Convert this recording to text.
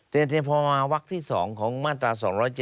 แต่พอมาวักที่๒ของมาตรา๒๗